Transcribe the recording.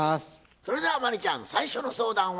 それでは真理ちゃん最初の相談は？